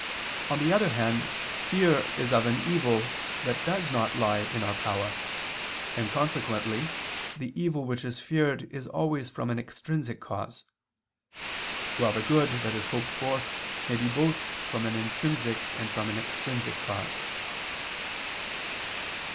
On the other hand, fear is of an evil that does not lie in our own power: and consequently the evil which is feared is always from an extrinsic cause; while the good that is hoped for may be both from an intrinsic and from an extrinsic cause.